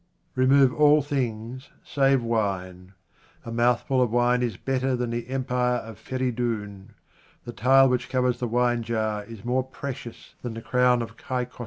Remove all things save wine. A mouthful of wine is better than the empire of Feridoun. The tile which covers the winejar is more pre cious than the crown of Kai Khosrou.